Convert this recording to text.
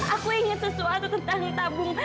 aku ingin sesuatu tentang tabung